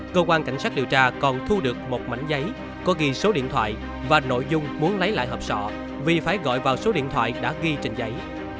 cơ quan cảnh sát điều tra còn thu được một mảnh giấy có ghi số điện thoại và nội dung muốn lấy lại hợp sọ vì phải gọi vào số điện thoại đã ghi trên giấy